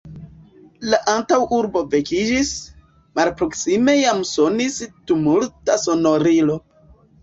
La antaŭurbo vekiĝis; malproksime jam sonis tumulta sonorilo.